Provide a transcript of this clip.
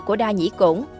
của đa nhĩ cổn